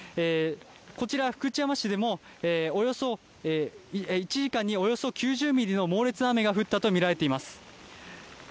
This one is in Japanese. こちら福知山市でも、１時間におよそ９０ミリの猛烈な雨が降ったと見られています。